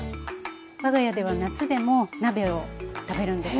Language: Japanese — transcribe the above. わが家では夏でも鍋を食べるんです。